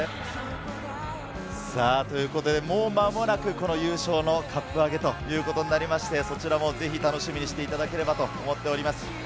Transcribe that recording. もう間もなく、この優勝のカップ上げということになりまして、そちらもぜひ楽しみにしていただければと思います。